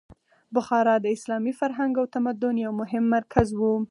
بخارا د اسلامي فرهنګ او تمدن یو مهم مرکز و.